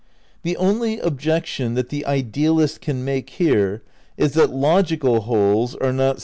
The only objection that the idealist can make here is that logical wholes are not spatio temporal.